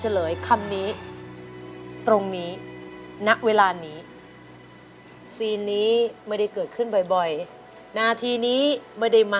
เลคำนี้ตรงนี้ณเวลานี้ซีนนี้ไม่ได้เกิดขึ้นบ่อยนาทีนี้ไม่ได้มา